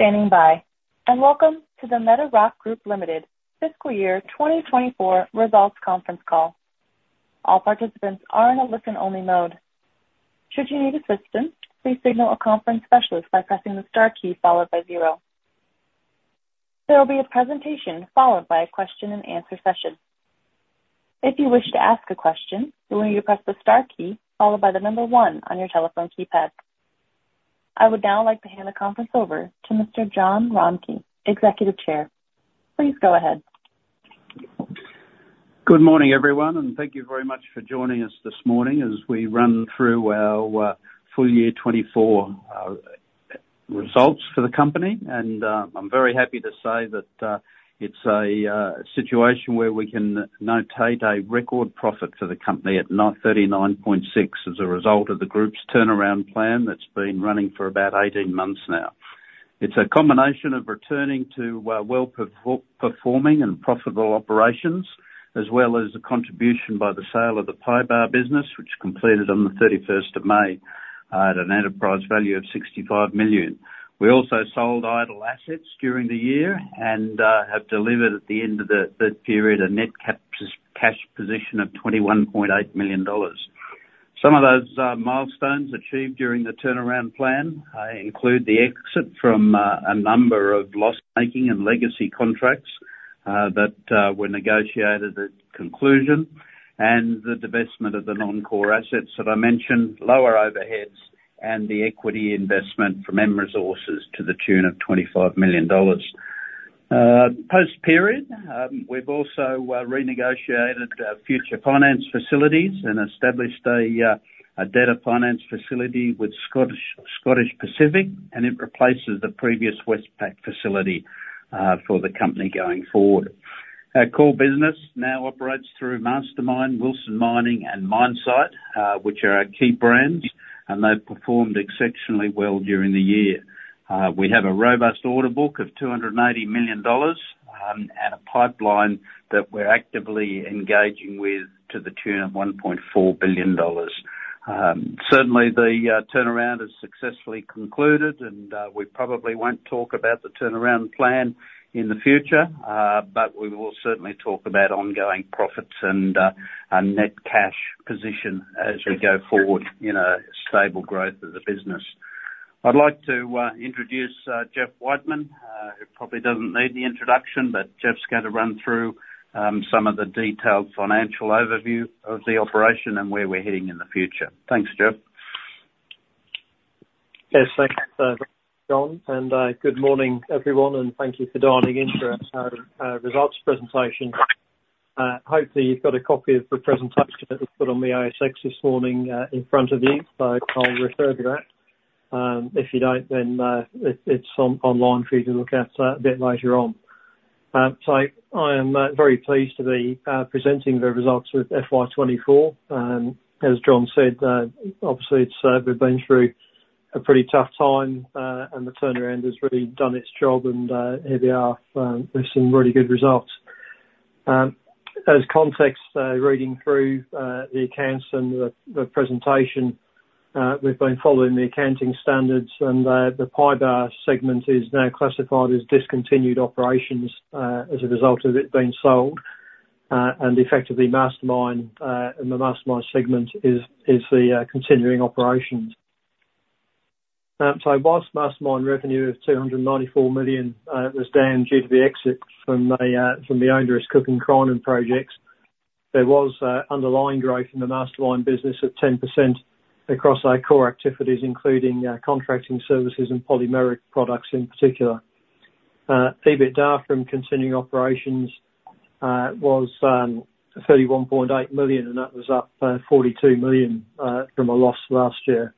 Thank you for standing by, and welcome to the Metarock Group Limited Fiscal Year 2024 Results Conference Call. All participants are in a listen-only mode. Should you need assistance, please signal a conference specialist by pressing the star key followed by zero. There will be a presentation followed by a Q&A session. If you wish to ask a question, we want you to press the star key followed by the number one on your telephone keypad. I would now like to hand the conference over to Mr. Jon Romcke, Executive Chair. Please go ahead. Good morning, everyone, and thank you very much for joining us this morning as we run through our full year 2024 results for the company, and I'm very happy to say that it's a situation where we can note a record profit for the company at $39.6 million as a result of the group's turnaround plan that's been running for about eighteen months now. It's a combination of returning to well performing and profitable operations, as well as a contribution by the sale of the PYBAR business, which completed on the thirty-first of May at an enterprise value of $65 million. We also sold idle assets during the year and have delivered, at the end of the third period, a net cash position of $21.8 million. Some of those milestones achieved during the turnaround plan include the exit from a number of loss-making and legacy contracts that were negotiated at conclusion, and the divestment of the non-core assets that I mentioned, lower overheads, and the equity investment from M Resources to the tune of 25 million dollars. Post-period, we've also renegotiated future finance facilities and established a debtor finance facility with Scottish Pacific, and it replaces the previous Westpac facility for the company going forward. Our core business now operates through Mastermyne, Wilson Mining, and MyneSight, which are our key brands, and they've performed exceptionally well during the year. We have a robust order book of 280 million dollars, and a pipeline that we're actively engaging with to the tune of 1.4 billion dollars. Certainly the turnaround has successfully concluded, and we probably won't talk about the turnaround plan in the future. But we will certainly talk about ongoing profits and a net cash position as we go forward in a stable growth of the business. I'd like to introduce Jeff Whiteman, who probably doesn't need the introduction, but Jeff's gonna run through some of the detailed financial overview of the operation and where we're heading in the future. Thanks, Jeff. Yes, thanks, Jon, and good morning, everyone, and thank you for dialing in to our results presentation. Hopefully, you've got a copy of the presentation that was put on the ASX this morning, in front of you, so I'll refer to that. If you don't, then it's online for you to look at a bit later on. So I am very pleased to be presenting the results with FY 2024. As Jon said, obviously we've been through a pretty tough time, and the turnaround has really done its job, and here we are with some really good results. As context, reading through the accounts and the presentation, we've been following the accounting standards and the PYBAR segment is now classified as discontinued operations as a result of it being sold. And effectively Mastermyne and the Mastermyne segment is the continuing operations. So while Mastermyne revenue of 294 million was down due to the exit from the Oaky Creek Crinum projects, there was underlying growth in the Mastermyne business of 10% across our core activities, including contracting services and polymeric products in particular. EBITDA from continuing operations was 31.8 million, and that was up 42 million from a loss last year.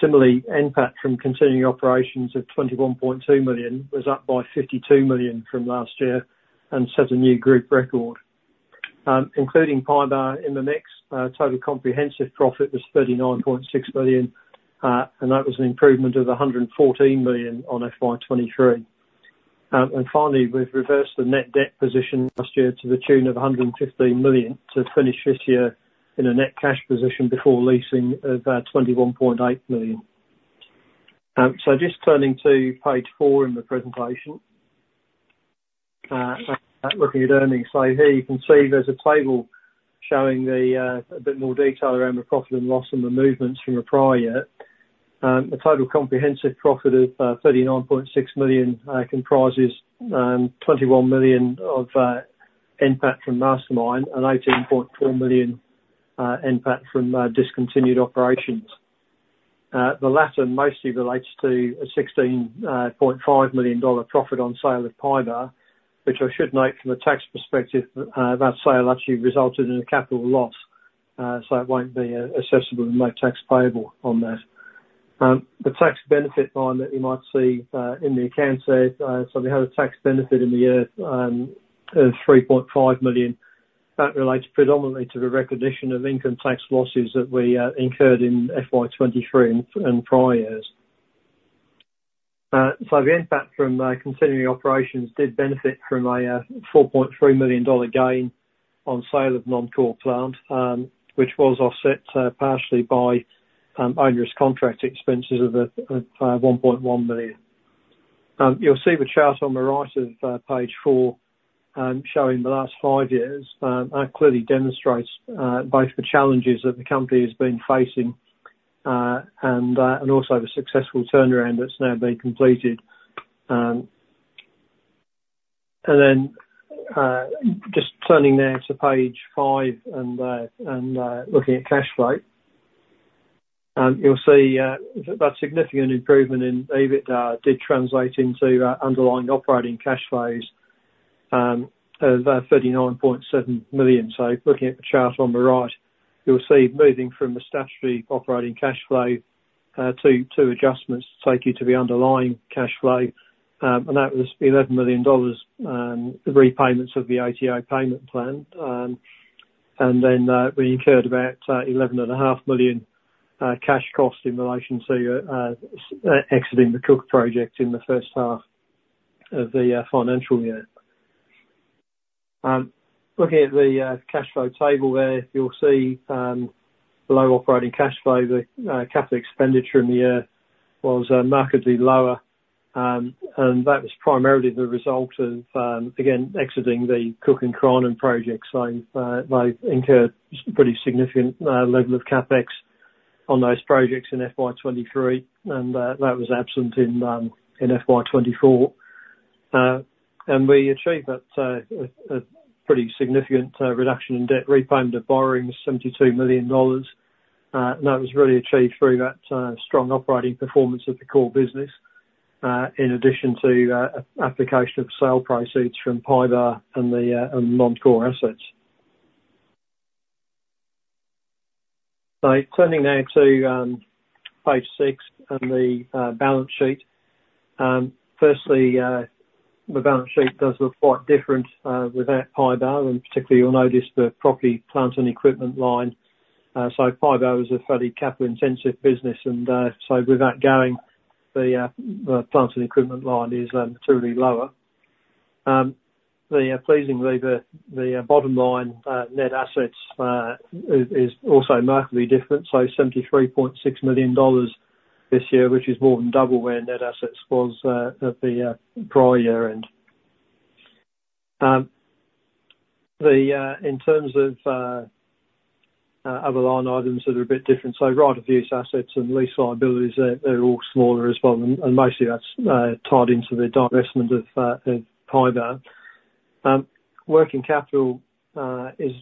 Similarly, NPAT from continuing operations of 21.2 million was up by 52 million from last year and set a new group record. Including PYBAR in the mix, total comprehensive profit was 39.6 million, and that was an improvement of 114 million on FY 2023. And finally, we've reversed the net debt position last year to the tune of 115 million, to finish this year in a net cash position before leasing of, 21.8 million. So just turning to page 4 in the presentation. Looking at earnings, so here you can see there's a table showing the, a bit more detail around the profit and loss and the movements from the prior year. A total comprehensive profit of 39.6 million comprises 21 million of NPAT from Mastermyne and 18.4 million NPAT from discontinued operations. The latter mostly relates to a 16.5 million dollar profit on sale of PYBAR, which I should note from a tax perspective, that sale actually resulted in a capital loss, so it won't be assessable with no tax payable on that. The tax benefit line that you might see in the accounts there, so we have a tax benefit in the year of 3.5 million. That relates predominantly to the recognition of income tax losses that we incurred in FY 2023 and prior years. So the impact from continuing operations did benefit from a 4.3 million dollar gain on sale of non-core plant, which was offset partially by onerous contract expenses of 1.1 million. You'll see the chart on the right of page four showing the last five years. That clearly demonstrates both the challenges that the company has been facing and also the successful turnaround that's now been completed. And then just turning now to page five and looking at cash flow. You'll see that significant improvement in EBITDA did translate into underlying operating cash flows of 39.7 million. Looking at the chart on the right, you'll see moving from the statutory operating cash flow to adjustments take you to the underlying cash flow. And that was 11 million dollars, repayments of the ATO payment plan. And then we incurred about 11.5 million cash cost in relation to exiting the Cook project in the first half of the financial year. Looking at the cash flow table there, you'll see the low operating cash flow, the capital expenditure in the year was markedly lower. And that was primarily the result of again exiting the Cook and Crinum projects. They incurred pretty significant level of CapEx on those projects in FY 2023, and that was absent in FY 2024. And we achieved that, a pretty significant reduction in debt. Repayment of borrowing was 72 million dollars. And that was really achieved through that strong operating performance of the core business, in addition to application of sale proceeds from Pybar and the non-core assets. So turning now to page six and the balance sheet. Firstly, the balance sheet does look quite different without Pybar, and particularly you'll notice the property, plant and equipment line. So Pybar was a fairly capital-intensive business, and so with that going, the plant and equipment line is truly lower. Pleasingly, the bottom line, net assets, is also markedly different. So AUD 73.6 million this year, which is more than double where net assets was at the prior year end. In terms of other line items that are a bit different, so right-of-use assets and lease liabilities, they're all smaller as well, and mostly that's tied into the divestment of Pybar. Working capital is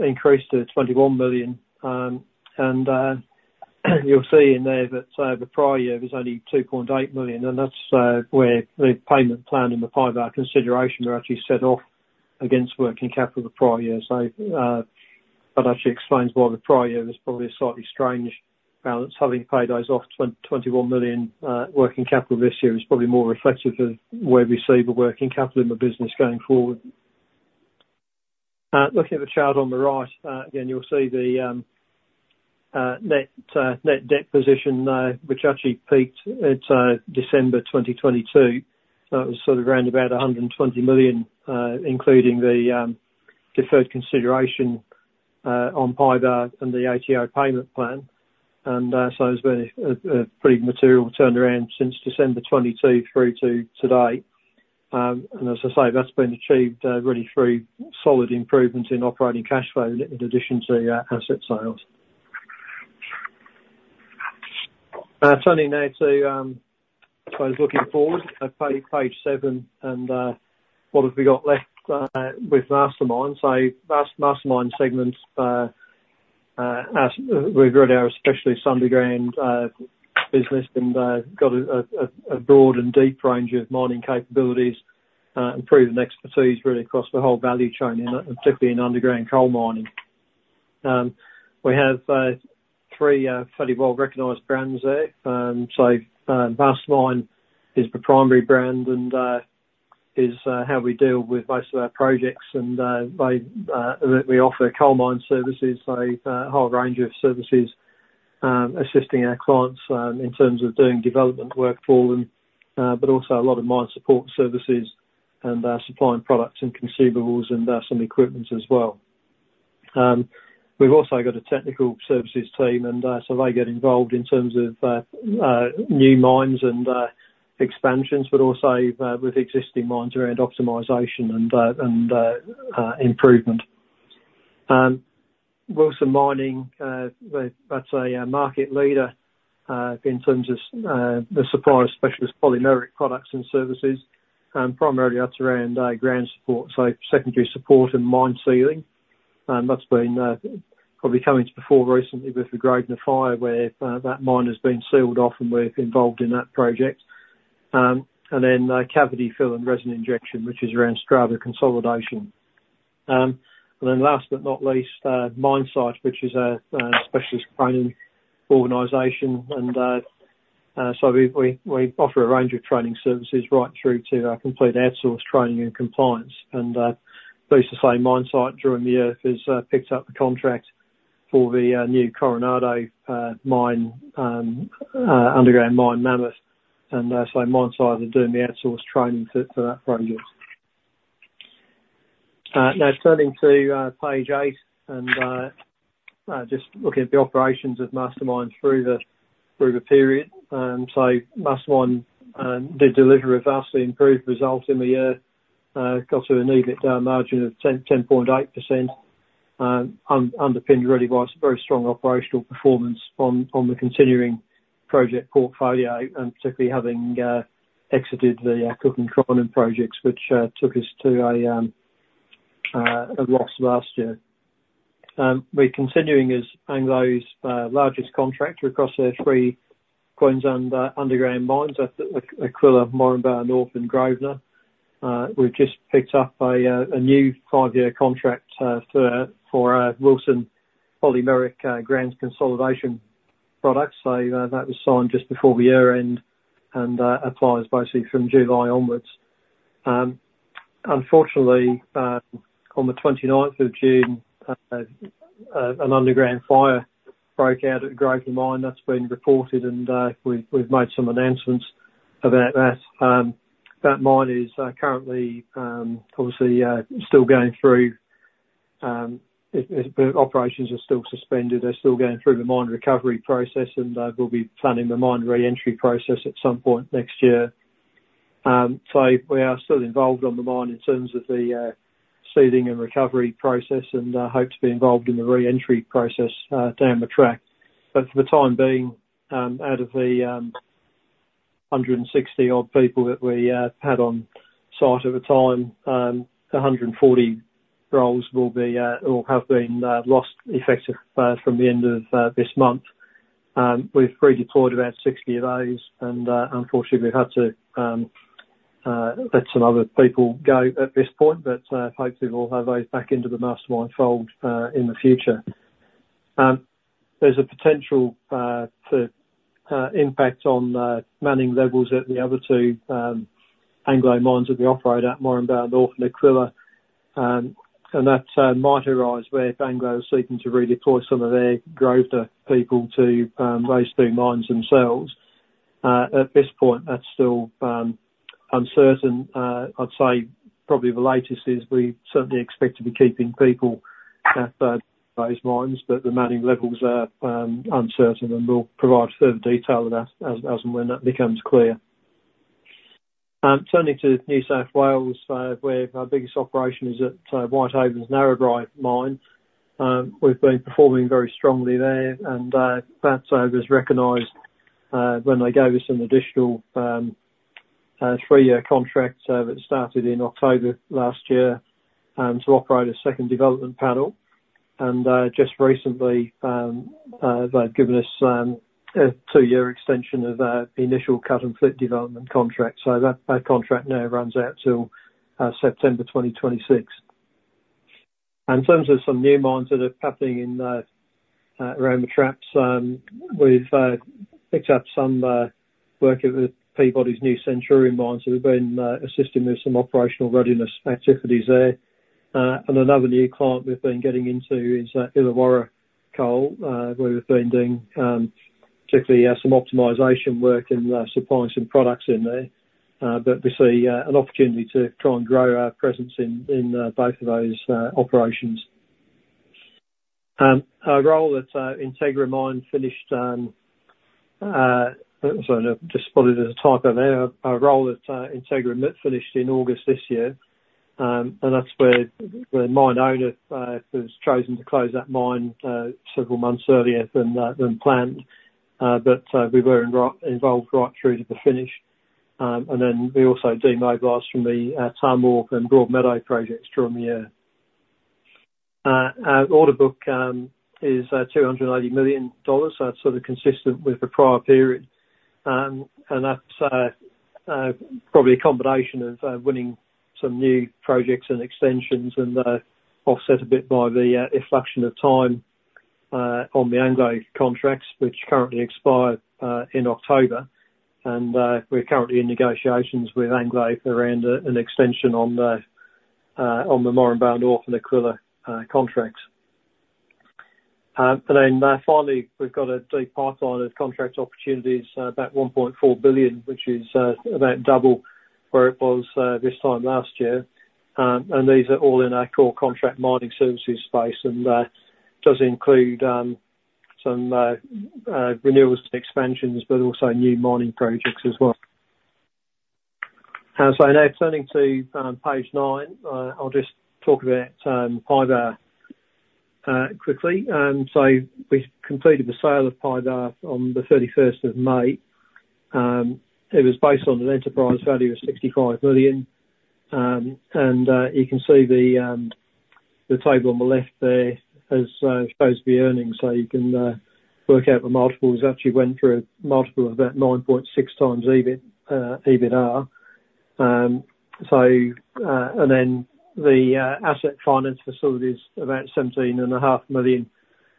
increased to 21 million, and you'll see in there that the prior year was only 2.8 million, and that's where the payment plan in the Pybar consideration are actually set off against working capital the prior year, so that actually explains why the prior year was probably a slightly strange balance. Having paid those off, 21 million working capital this year is probably more reflective of where we see the working capital in the business going forward. Looking at the chart on the right, again, you'll see the net debt position, which actually peaked at December 2022, so it was sort of around about 120 million, including the deferred consideration on Pybar and the ATO payment plan, and so there's been a pretty material turnaround since December 2022 through to today, and as I say, that's been achieved really through solid improvement in operating cash flow, in addition to asset sales. Turning now to, so looking forward at page seven, and what have we got left with Mastermyne? Mastermyne segment's, as we're really are a specialist underground business and got a broad and deep range of mining capabilities and proven expertise really across the whole value chain, and particularly in underground coal mining. We have three fairly well-recognized brands there. Mastermyne is the primary brand and is how we deal with most of our projects and we offer coal mine services, so a whole range of services assisting our clients in terms of doing development work for them, but also a lot of mine support services and supplying products and consumables and some equipment as well. We've also got a technical services team, and so they get involved in terms of new mines and expansions, but also with existing mines around optimization and improvement. Wilson Mining, that's a market leader in terms of the supplier of specialist polymeric products and services. Primarily that's around ground support, so secondary support and mine sealing. That's been probably coming to the fore recently with the Grosvenor fire, where that mine has been sealed off, and we're involved in that project. And then cavity fill and resin injection, which is around strata consolidation. And then last but not least, MyneSight, which is a specialist training organization, and so we offer a range of training services right through to complete outsource training and compliance. And pleased to say MyneSight during the year has picked up a contract for the new Coronado mine, underground mine, Mammoth. And so MyneSight is doing the outsource training for that project. Now turning to page eight, and just looking at the operations of Mastermyne through the period. So Mastermyne did deliver a vastly improved result in the year, got to an EBITDA margin of 10.8%, underpinned really by some very strong operational performance on the continuing project portfolio, and particularly having exited the Cook and Crinum projects, which took us to a loss last year. We're continuing as Anglo's largest contractor across their three Queensland underground mines, at Aquila, Moranbah North, and Grosvenor. We've just picked up a new five-year contract for Wilsons Polymeric ground consolidation products. So, that was signed just before the year end, and applies basically from July onwards. Unfortunately, on the twenty-ninth of June, an underground fire broke out at Grosvenor mine. That's been reported, and we've made some announcements about that. That mine is currently obviously still going through. The operations are still suspended. They're still going through the mine recovery process, and we'll be planning the mine re-entry process at some point next year. So we are still involved on the mine in terms of the sealing and recovery process, and hope to be involved in the re-entry process down the track. But for the time being, out of the hundred and sixty-odd people that we had on site at the time, a hundred and forty roles will be or have been lost effective from the end of this month. We've redeployed about 60 of those, and unfortunately, we've had to let some other people go at this point, but hopefully we'll have those back into the Mastermyne fold in the future. There's a potential to impact on manning levels at the other two Anglo mines that we operate at, Moranbah North and Aquila. And that might arise where Anglo is seeking to redeploy some of their Grosvenor people to those two mines themselves. At this point, that's still uncertain. I'd say probably the latest is we certainly expect to be keeping people at those mines, but the manning levels are uncertain, and we'll provide further detail on that as and when that becomes clear. Turning to New South Wales, where our biggest operation is at Whitehaven's Narrabri mine. We've been performing very strongly there, and that was recognized when they gave us an additional three-year contract that started in October last year to operate a second development panel, and just recently they've given us a two-year extension of the initial cut-and-fill development contract, so that contract now runs out till September 2026, and in terms of some new mines that are happening around the traps, we've picked up some work at Peabody's New Centurion mine, so we've been assisting with some operational readiness activities there. And another new client we've been getting into is Illawarra Coal, where we've been doing particularly some optimization work and supplying some products in there. But we see an opportunity to try and grow our presence in both of those operations. Our role at Integra Mine finished. Sorry, I've just spotted a typo there. Our role at Integra finished in August this year. And that's where the mine owner has chosen to close that mine several months earlier than planned. But we were involved right through to the finish. And then we also demobilized from the Tahmoor and Broadmeadow projects during the year. Our order book is 280 million dollars, so that's sort of consistent with the prior period. And that's probably a combination of winning some new projects and extensions and offset a bit by the effluxion of time on the Anglo contracts, which currently expire in October. And we're currently in negotiations with Anglo around an extension on the Moranbah North and Aquila contracts. And then finally, we've got a deep pipeline of contract opportunities about 1.4 billion, which is about double where it was this time last year. And these are all in our core contract mining services space, and does include some renewals to expansions, but also new mining projects as well. Now, turning to page nine, I'll just talk about PYBAR quickly. We completed the sale of PYBAR on the thirty-first of May. It was based on an enterprise value of 65 million. You can see the table on the left there has supposed to be earnings, so you can work out the multiples. Actually went through a multiple of about 9.6 times EBITDA. Then the asset finance facilities, about 17.5 million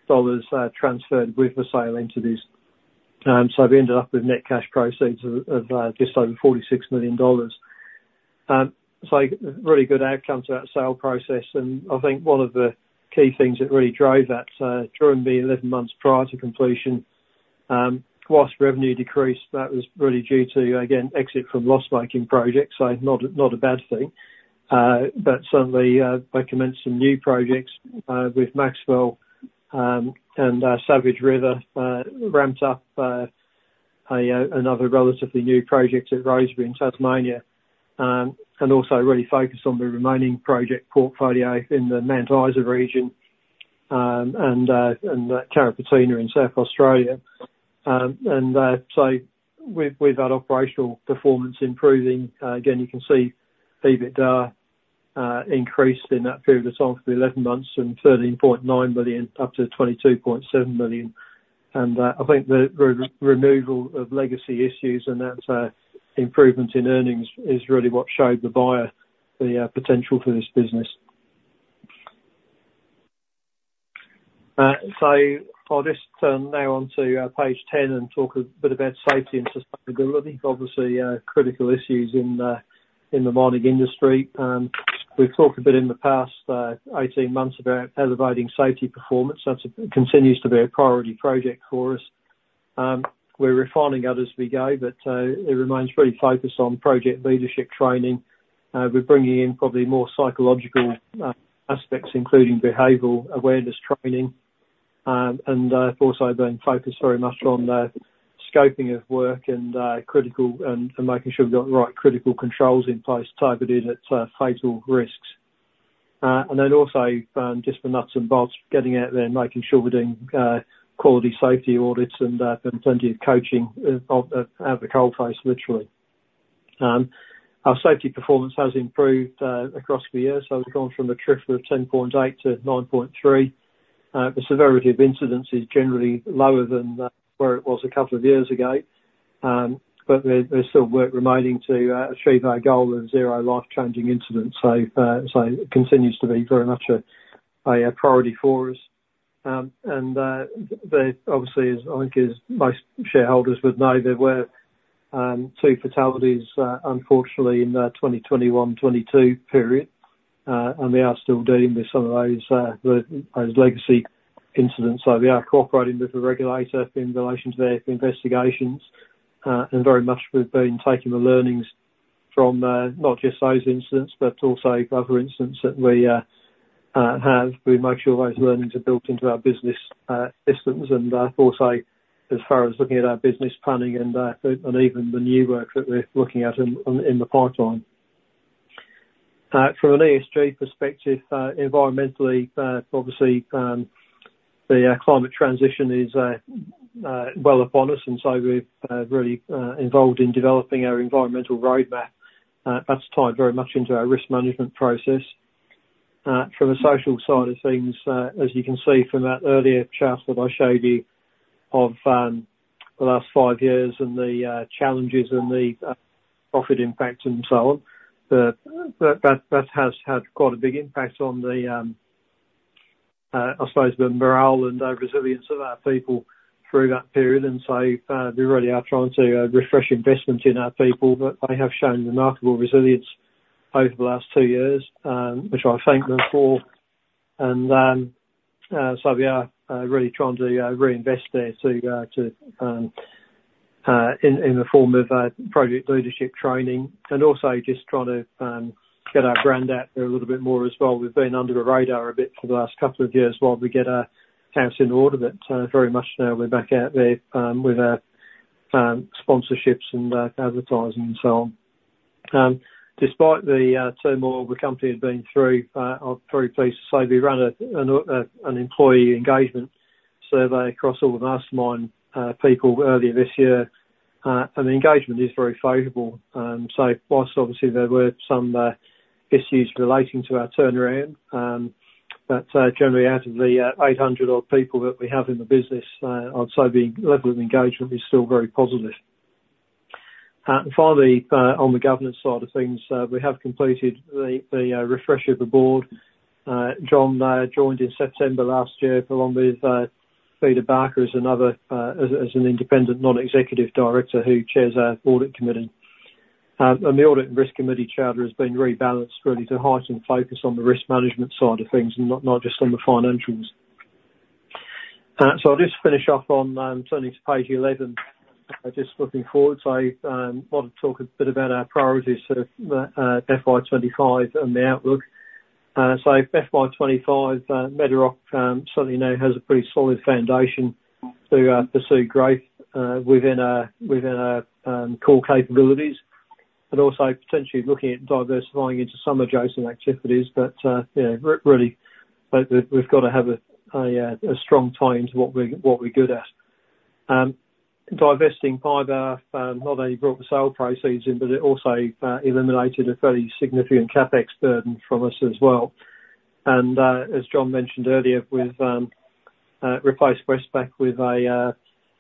dollars, transferred with the sale into this. We ended up with net cash proceeds of just over 46 million dollars. So really good outcome to that sale process, and I think one of the key things that really drove that during the 11 months prior to completion, while revenue decreased, that was really due to, again, exit from loss-making projects, so not, not a bad thing. But certainly, we commenced some new projects with Maxwell and Savage River ramped up another relatively new project at Rosebery in Tasmania. And also really focused on the remaining project portfolio in the Mount Isa region and Carrapateena in South Australia. So we've had operational performance improving. Again, you can see EBITDA increased in that period of time for the 11 months and 13.9 billion up to 22.7 billion. I think the removal of legacy issues and that improvement in earnings is really what showed the buyer the potential for this business. So I'll just turn now onto page 10 and talk a bit about safety and sustainability. Obviously, critical issues in the mining industry. We've talked a bit in the past eighteen months about elevating safety performance. That continues to be a priority project for us. We're refining it as we go, but it remains very focused on project leadership training. We're bringing in probably more psychological aspects, including behavioral awareness training, and also being focused very much on the scoping of work and critical and making sure we've got the right critical controls in place to target in at fatal risks. And then also, just the nuts and bolts, getting out there and making sure we're doing quality safety audits and plenty of coaching at the coalface, literally. Our safety performance has improved across the year, so we've gone from a TRIR of 10.8 to 9.3. The severity of incidents is generally lower than where it was a couple of years ago. But there's still work remaining to achieve our goal of zero life-changing incidents. So it continues to be very much a priority for us. And, obviously, as I think as most shareholders would know, there were two fatalities, unfortunately in the 2021 to 2022 period. And we are still dealing with some of those legacy incidents. So we are cooperating with the regulator in relation to their investigations, and very much we've been taking the learnings from, not just those incidents, but also other incidents that we have. We make sure those learnings are built into our business, systems, and also as far as looking at our business planning and even the new work that we're looking at in the pipeline. From an ESG perspective, environmentally, obviously, the climate transition is well upon us, and so we're really involved in developing our environmental roadmap. That's tied very much into our risk management process. From a social side of things, as you can see from that earlier chart that I showed you of the last five years and the challenges and the profit impacts and so on, that has had quite a big impact on the, I suppose, the morale and the resilience of our people through that period. And so, we really are trying to refresh investments in our people, but they have shown remarkable resilience over the last two years, which I thank them for. And so we are really trying to reinvest there, so to in the form of project leadership training. And also just trying to get our brand out there a little bit more as well. We've been under the radar a bit for the last couple of years while we get our house in order, but very much now we're back out there with our sponsorships and advertising and so on. Despite the turmoil the company has been through, I'm very pleased to say we ran an employee engagement survey across all the Mastermyne people earlier this year, and the engagement is very favorable, so while obviously there were some issues relating to our turnaround, but generally out of the eight hundred odd people that we have in the business, I'd say the level of engagement is still very positive, and finally, on the governance side of things, we have completed the refresh of the board. Jon joined in September last year, along with Peter Barker as another independent non-executive director who chairs our audit committee, and the audit and risk committee charter has been rebalanced really to heighten focus on the risk management side of things and not just on the financials, so I'll just finish off on turning to page eleven. Just looking forward, so I want to talk a bit about our priorities for the FY 2025 and the outlook, so FY 2025, Mastermyne certainly now has a pretty solid foundation to pursue growth within our core capabilities, but also potentially looking at diversifying into some adjacent activities, but really, we've got to have a strong tie into what we're good at. Divesting fiber not only brought the sale proceeds in, but it also eliminated a fairly significant CapEx burden from us as well. And, as Jon mentioned earlier, we've replaced Westpac with a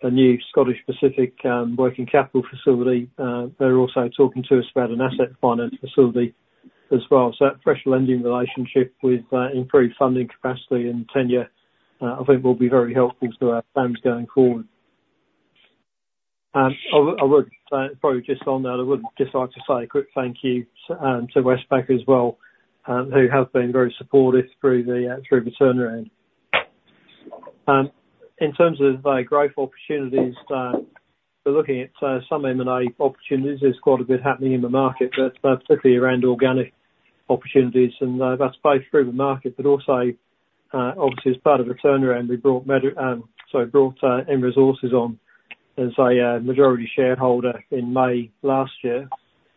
new Scottish Pacific working capital facility. They're also talking to us about an asset finance facility as well. So that fresh lending relationship with improved funding capacity and tenure I think will be very helpful to our plans going forward. I would probably just on that, I would just like to say a quick thank you to Westpac as well, who have been very supportive through the turnaround. In terms of the growth opportunities, we're looking at some M&A opportunities. There's quite a bit happening in the market, but particularly around organic opportunities, and that's both through the market, but also obviously as part of the turnaround, we brought M Resources on as a majority shareholder in May last year.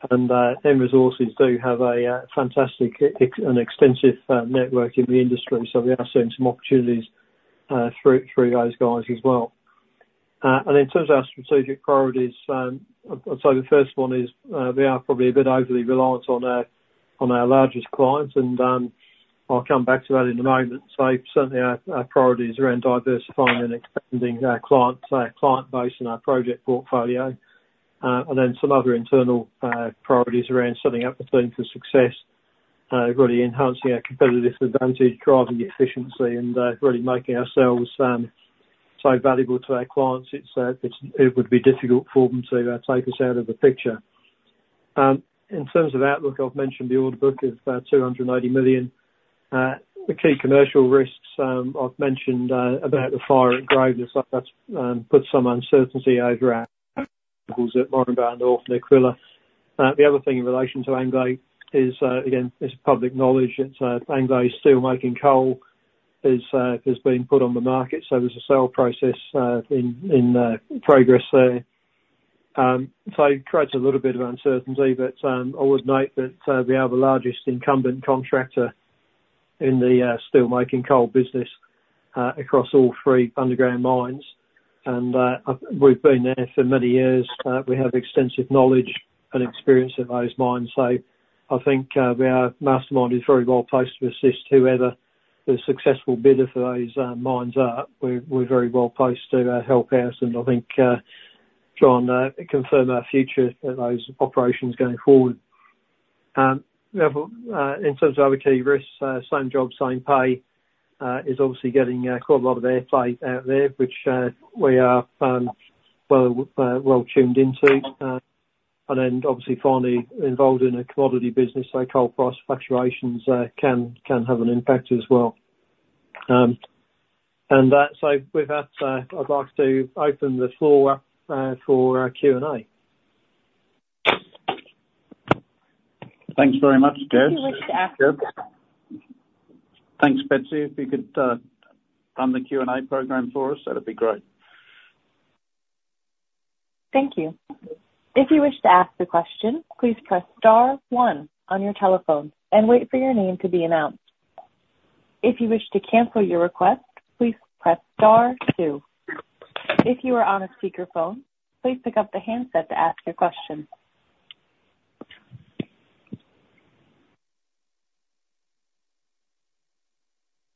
M Resources do have a fantastic and extensive network in the industry, so we are seeing some opportunities through those guys as well. In terms of our strategic priorities, I'd say the first one is we are probably a bit overly reliant on our largest clients, and I'll come back to that in a moment. Certainly our priorities are around diversifying and expanding our client base and our project portfolio. And then some other internal priorities around setting up the team for success, really enhancing our competitive advantage, driving efficiency, and really making ourselves so valuable to our clients. It would be difficult for them to take us out of the picture. In terms of outlook, I've mentioned the order book is about 280 million. The key commercial risks, I've mentioned about the fire at Grosvenor. So that's put some uncertainty over at Moranbah North and Aquila. The other thing in relation to Anglo is, again, it's public knowledge. It's Anglo steel making coal is being put on the market, so there's a sale process in progress there. So it creates a little bit of uncertainty, but I would note that we are the largest incumbent contractor in the steelmaking coal business across all three underground mines. And we've been there for many years. We have extensive knowledge and experience in those mines. So I think Mastermyne is very well placed to assist whoever the successful bidder for those mines are. We're very well placed to help out, and I think Jon confirm our future of those operations going forward. In terms of other key risks, same job, same pay is obviously getting quite a lot of airplay out there, which we are well tuned into. And then obviously finally involved in a commodity business, so coal price fluctuations can have an impact as well. And that, so with that, I'd like to open the floor up for our Q&A. Thanks very much, Jeff. If you wish to ask- Thanks, Betsy. If you could, run the Q&A program for us, that'd be great. Thank you. If you wish to ask a question, please press star one on your telephone and wait for your name to be announced. If you wish to cancel your request, please press star two. If you are on a speakerphone, please pick up the handset to ask your question.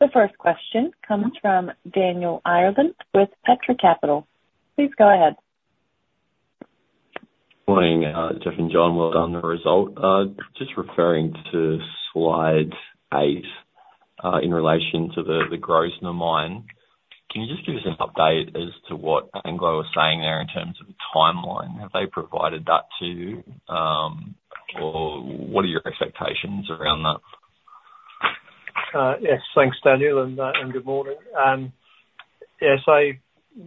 The first question comes from Daniel Ireland with Petra Capital. Please go ahead. Morning, Jeff and Jon. Well done on the result. Just referring to slide eight, in relation to the Grosvenor mine. Can you just give us an update as to what Anglo is saying there in terms of the timeline? Have they provided that to you, or what are your expectations around that? Yes, thanks, Daniel, and good morning. Yes, so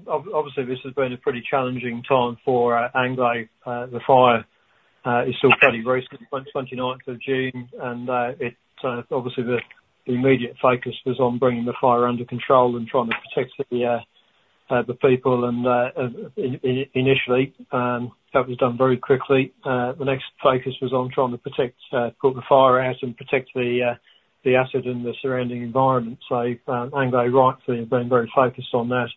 obviously, this has been a pretty challenging time for Anglo. The fire is still fairly recent, twenty-ninth of June, and it obviously the immediate focus was on bringing the fire under control and trying to protect the people and initially that was done very quickly. The next focus was on trying to protect, put the fire out and protect the asset and the surrounding environment. So, Anglo rightly have been very focused on that,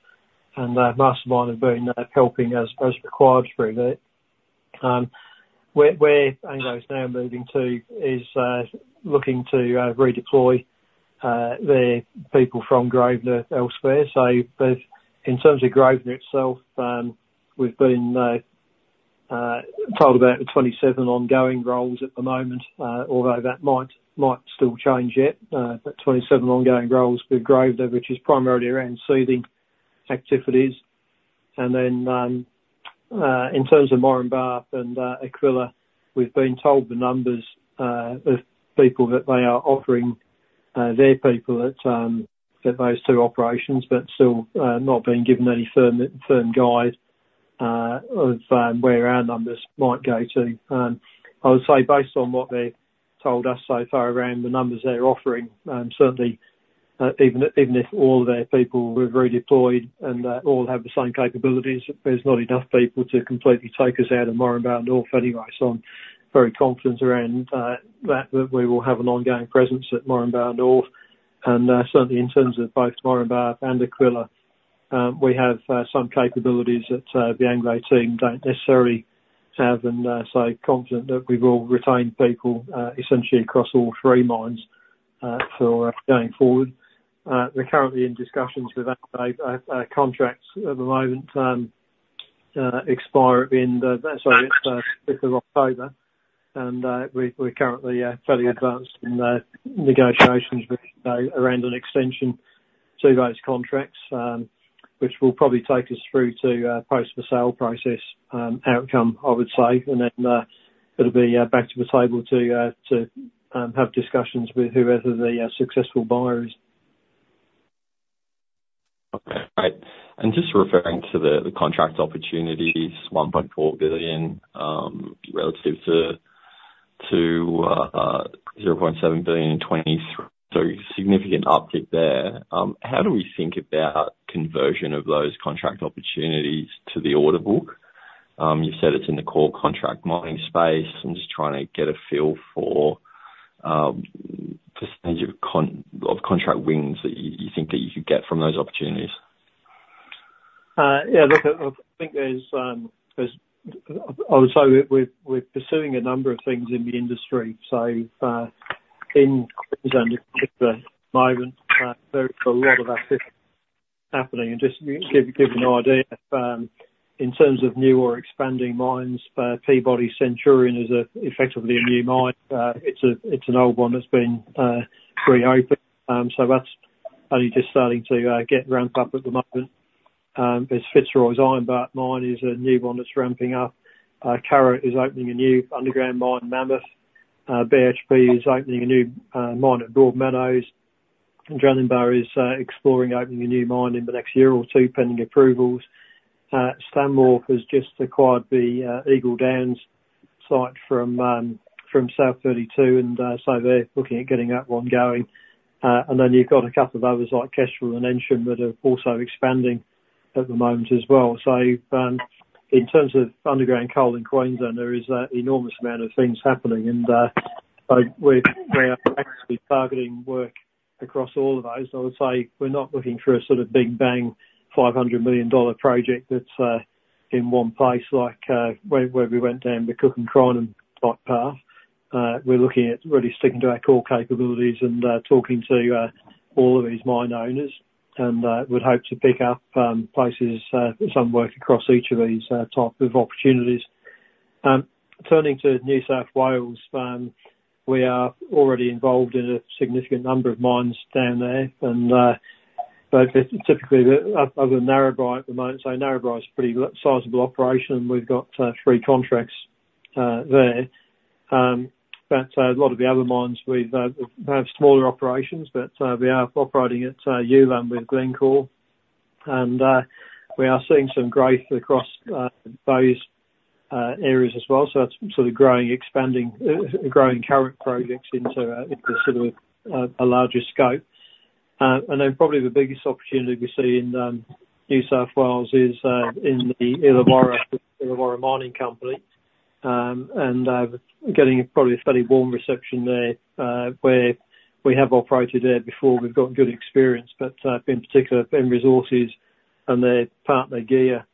and Mastermyne have been helping as required through that. Where Anglo is now moving to is looking to redeploy their people from Grosvenor elsewhere. So, but in terms of Grosvenor itself, we've been told about the 27 ongoing roles at the moment, although that might still change yet. But 27 ongoing roles with Grosvenor, which is primarily around seeding activities. And then, in terms of Moranbah and Aquila, we've been told the numbers of people that they are offering their people at those two operations, but still not been given any firm guide of where our numbers might go to. I would say based on what they've told us so far around the numbers they're offering, certainly even if all of their people were redeployed and all have the same capabilities, there's not enough people to completely take us out of Moranbah North anyway. So I'm very confident around that we will have an ongoing presence at Moranbah North. And certainly in terms of both Moranbah and Aquila, we have some capabilities that the Anglo team don't necessarily have, and so confident that we will retain people essentially across all three mines for going forward. We're currently in discussions with contracts at the moment that expire at the end of October. Sorry, it's October. And we're currently fairly advanced in the negotiations around an extension to those contracts, which will probably take us through to post the sale process outcome, I would say. And then it'll be back to the table to have discussions with whoever the successful buyer is. Okay. Just referring to the contract opportunities, $1.4 billion relative to $0.7 billion in 2023, significant uptick there. How do we think about conversion of those contract opportunities to the order book? You said it's in the core contract mining space. I'm just trying to get a feel for, just as your contract wins that you think that you could get from those opportunities. Yeah, look, I think there's, I would say we're pursuing a number of things in the industry. In a particular moment, there's a lot of activity happening. Just to give you an idea, in terms of new or expanding mines, Peabody Centurion is effectively a new mine. It's an old one that's been reopened. That's only just starting to get ramped up at the moment. Fitzroy's Ironbark mine is a new one that's ramping up. Caro is opening a new underground mine, Mammoth. BHP is opening a new mine at Broadmeadows. Drummond Barre is exploring opening a new mine in the next year or two, pending approvals. Stanmore has just acquired the Eagle Downs site from South32, and so they're looking at getting that one going, and then you've got a couple of others like Kestrel and Ensham that are also expanding at the moment as well, so in terms of underground coal in Queensland, there is an enormous amount of things happening, and so we're actually targeting work across all of those. I would say we're not looking for a sort of big bang, 500 million dollar project that's in one place like where we went down the Cook and Crinum type path. We're looking at really sticking to our core capabilities and talking to all of these mine owners. And, we'd hope to pick up some work across each of these type of opportunities. Turning to New South Wales, we are already involved in a significant number of mines down there, and but typically, other than Narrabri at the moment. So Narrabri is a pretty sizable operation. We've got three contracts there. But a lot of the other mines, we have smaller operations, but we are operating at Ulan with Glencore, and we are seeing some growth across those areas as well. So that's sort of growing, expanding, growing current projects into into sort of a larger scope. Probably the biggest opportunity we see in New South Wales is in the Illawarra, Illawarra Mining Company, and getting probably a fairly warm reception there, where we have operated there before. We've got good experience, but in particular, M Resources and their partner, GEAR,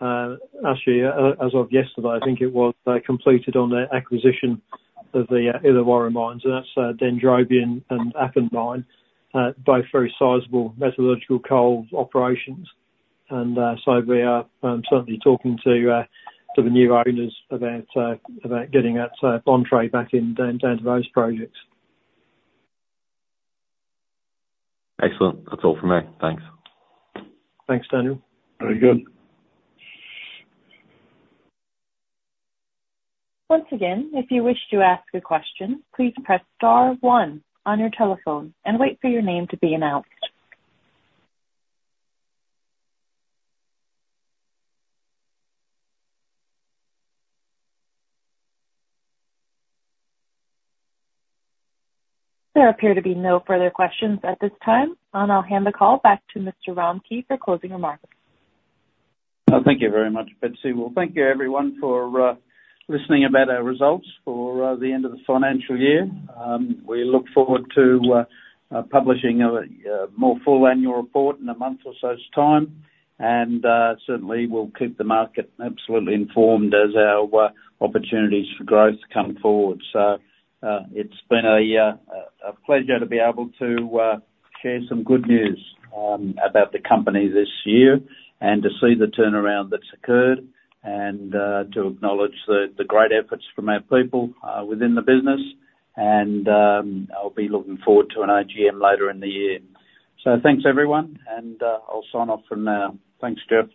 actually, as of yesterday, I think it was, completed on the acquisition of the Illawarra mines, and that's Dendrobium and Appin Mine, both very sizable metallurgical coal operations. We are certainly talking to the new owners about getting that entree back in down to those projects. Excellent. That's all from me. Thanks. Thanks, Daniel. Very good. Once again, if you wish to ask a question, please press star one on your telephone and wait for your name to be announced. There appear to be no further questions at this time, and I'll hand the call back to Mr. Romckey for closing remarks. Thank you very much, Betsy. Thank you, everyone, for listening about our results for the end of the financial year. We look forward to publishing a more full annual report in a month or so's time, and certainly we'll keep the market absolutely informed as our opportunities for growth come forward. It's been a pleasure to be able to share some good news about the company this year, and to see the turnaround that's occurred, and to acknowledge the great efforts from our people within the business. I'll be looking forward to an AGM later in the year. Thanks, everyone, and I'll sign off from now. Thanks, Jeff.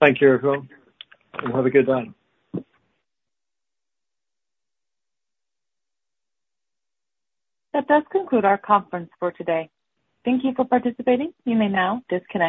Thank you, everyone, and have a good day. That does conclude our conference for today. Thank you for participating. You may now disconnect.